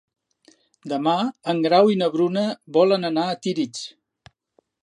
Demà en Grau i na Bruna volen anar a Tírig.